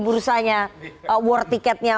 bursanya war ticket nya